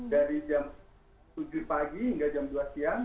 dari jam tujuh pagi hingga jam dua siang